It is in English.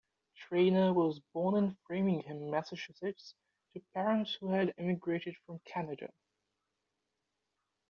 Traynor was born in Framingham, Massachusetts, to parents who had emigrated from Canada.